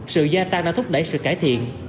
sự gia tăng đã thúc đẩy sự cải thiện